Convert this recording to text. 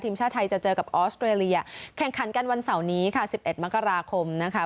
ทีมชาติไทยจะเจอกับออสเตรเลียแข่งขันกันวันเสาร์นี้ค่ะ๑๑มกราคมนะคะ